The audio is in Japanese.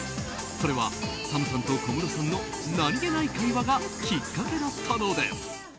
それはＳＡＭさんと小室さんの何気ない会話がきっかけだったのです。